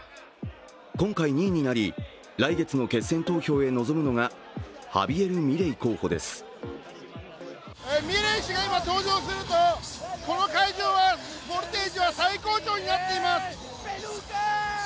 今回２位になり来月の決選投票に進むのがミレイ氏が今、登場するとこの会場はボルテージは最高潮になっています。